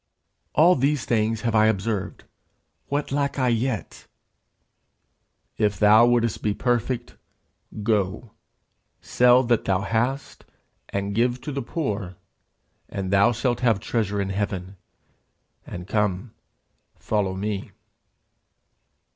'All these things have I observed: what lack I yet?' 'If thou wouldest be perfect, go, sell that thou hast, and give to the poor, and thou shalt have treasure in heaven; and come, follow me.'